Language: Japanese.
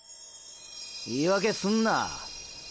言い訳すんなァ。！！